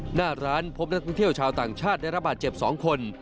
หน้าร้านพบนักท่องเที่ยวชาวต่างชาติได้รับบาดเจ็บ๒คน